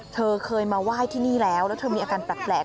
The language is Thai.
เธอเคยมาไหว้ที่นี่แล้วแล้วเธอมีอาการแปลก